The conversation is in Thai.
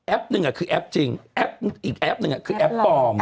แอพหนึ่งคือแอพจริงแอพอีกนึงคือแอพปลอม